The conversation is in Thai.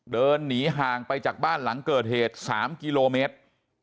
เดินหนีห่างไปจากบ้านหลังเกิดเหตุ๓กิโลเมตร